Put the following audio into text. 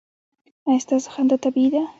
ایا ستاسو خندا طبیعي ده؟